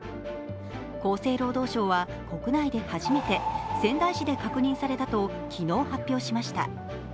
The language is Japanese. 厚生労働省は国内で初めて仙台市で確認されたと昨日発表しました。